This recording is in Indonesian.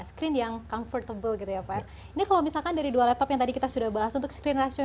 screen yang comfortable gitu ya pak ini kalau misalkan dari dua laptop yang tadi kita sudah bahas untuk screen rasio